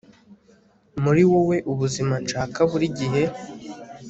Muri wowe ubuzima nshaka burigihe